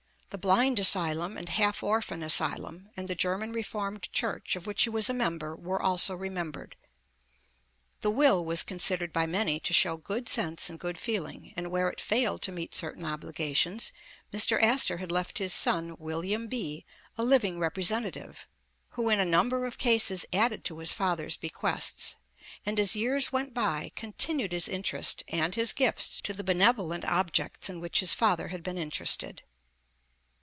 The Blind Asylum and Half Orphan Asylum, and the German Reformed Church, of which he was a member, were also remembered. The will was considered by many to show "good sense and good feel ing," and where it failed to meet certain obligations, Mr. Astor had left his son William B., a living repre sentative, who in a number of cases added to his father's bequests; and as years went by, continued his interest and his gifts to the benevolent objects in which his father had been interested.